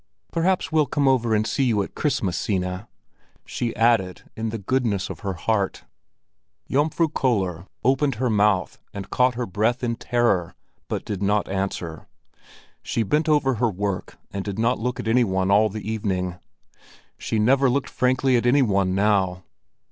"Perhaps we'll come over to see you at Christmas, Sina," she added in the goodness of her heart. Jomfru Köller opened her mouth and caught her breath in terror, but did not answer. She bent over her work and did not look at any one all the evening. She never looked frankly at any one now.